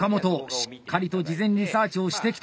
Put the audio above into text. しっかりと事前リサーチをしてきたようだ。